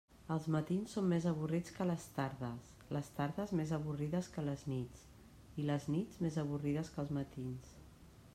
Els matins són més avorrits que les tardes, les tardes més avorrides que les nits i les nits més avorrides que els matins.